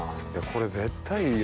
これ絶対いいよ。